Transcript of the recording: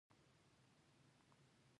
زه هم نه پوهېږم، زما په دې ډول جګړو.